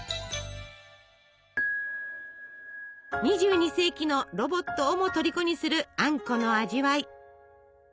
２２世紀のロボットをもとりこにするあんこの味わい。